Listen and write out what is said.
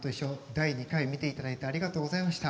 第２回見て頂いてありがとうございました。